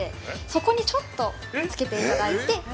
そこにちょっとつけていただいて。